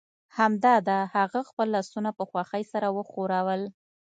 همدا ده هغه خپل لاسونه په خوښۍ سره وښورول